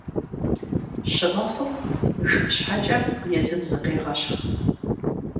Щымыхъум, жыг щхьэкӀэм езым зыкъегъэщхъ.